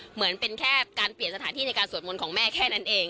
เหมือนเป็นแค่การเปลี่ยนสถานที่ในการสวดมนต์ของแม่แค่นั้นเอง